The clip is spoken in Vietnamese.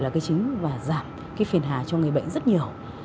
là cái chính và giảm cái phiền hà cho người bệnh rất nhiều